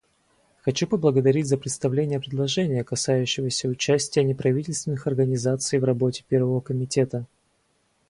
Хочу поблагодарить за представление предложения, касающегося участия неправительственных организаций в работе Первого комитета.